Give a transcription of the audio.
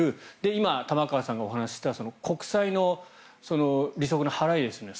今、玉川さんがお話しした国債の利息の払いですね